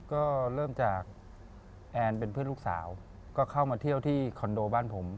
ก็เริ่มจากแอนเป็นเพื่อนลูกสาวก็เข้ามาเที่ยวที่คอนโดบ้านผม